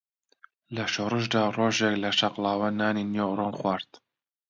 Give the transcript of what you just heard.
لە شۆڕشدا ڕۆژێک لە شەقڵاوە نانی نیوەڕۆم خوارد